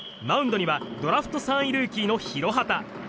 マウンドにはドラフト３位ルーキーの廣畑。